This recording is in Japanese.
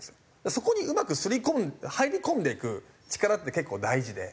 そこにうまく刷り込む入り込んでいく力って結構大事で。